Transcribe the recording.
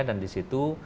dan di situ